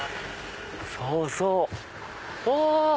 そうそうお。